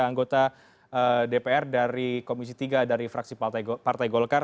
anggota dpr dari komisi tiga dari fraksi partai golkar